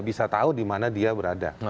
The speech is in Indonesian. bisa tahu di mana dia berada